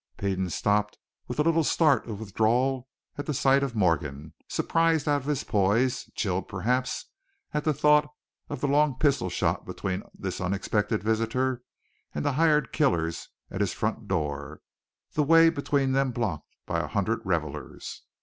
Peden stopped with a little start of withdrawal at sight of Morgan, surprised out of his poise, chilled, perhaps, at the thought of the long pistol shot between this unexpected visitor and the hired killers at his front door, the way between them blocked by a hundred revelers.